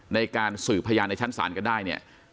ในการสืบพยานในชั้นศาลกันได้เนี่ย